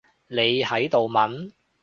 你喺度問？